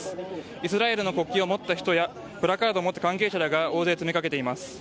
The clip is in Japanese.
イスラエルの国旗を持った人やプラカードを持った関係者らが大勢詰めかけています。